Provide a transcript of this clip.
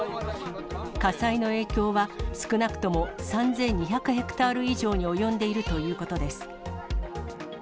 火災の影響は少なくとも３２００ヘクタール以上に及んでいるということです。